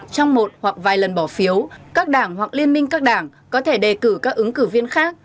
trong một hoặc vài lần bỏ phiếu các đảng hoặc liên minh các đảng có thể đề cử các ứng cử viên khác